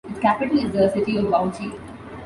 Its capital is the city of Bauchi.